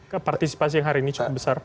kepartisipasi yang hari ini cukup besar